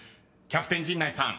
［キャプテン陣内さん